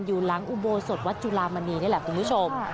อยู่หลังอุโบสถวัดจุลามณีนี่แหละคุณผู้ชม